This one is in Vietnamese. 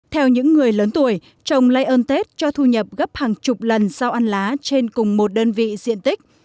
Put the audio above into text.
theo những người lớn tuổi trồng lây ơn tết cho thu nhập gấp hàng chục lần sau ăn lá trên cùng một đơn vị diện tích